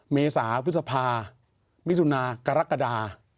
เมษาพฤษภามิถุนากรกฎา